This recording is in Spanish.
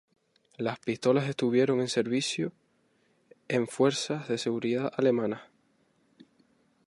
Las pistolas estuvieron en servicio en fuerzas de seguridad alemanas.